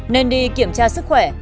nên đi kiểm tra sức khỏe